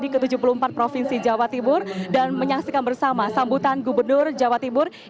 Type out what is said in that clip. keputusan gubernur jawa timur